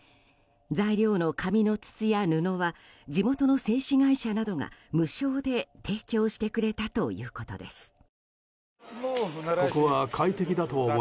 材料の紙の筒や布は地元の製紙会社などが無償で提供してくれたということです。